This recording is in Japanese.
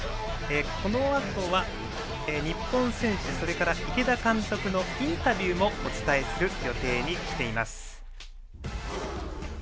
このあとは、日本選手池田監督のインタビューもお伝えする予定にしています。